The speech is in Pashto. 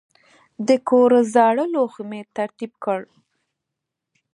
د کور زاړه لوښي مې ترتیب کړل.